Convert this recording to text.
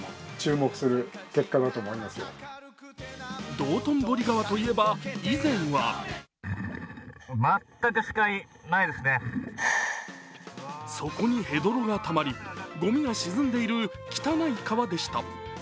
道頓堀川といえば、以前は底にヘドロがたまりごみが沈んでいる、汚い川でした。